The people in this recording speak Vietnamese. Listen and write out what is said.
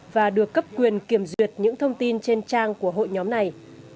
và được cấp quyền kiểm duyệt những thông tin trên trang của hội nhóm này